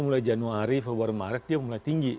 mulai januari februari maret dia mulai tinggi